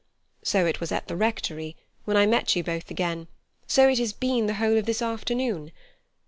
So it was at the Rectory, when I met you both again; so it has been the whole of this afternoon.